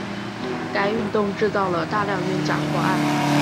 该运动制造了大量冤假错案。